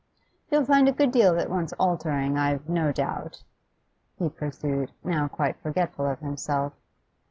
'You'll find a good deal that wants altering, I've no doubt,' he pursued, now quite forgetful of himself.